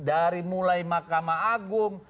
dari mulai mahkamah agung